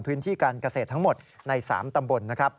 พื้นที่การเกษตรทั้งหมดใน๓ตำบลนะครับ